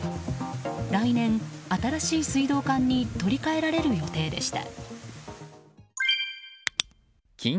来年、新しい水道管に取り換えられる予定でした。